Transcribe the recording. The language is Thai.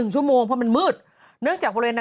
๑ชั่วโมงเพราะมันมืด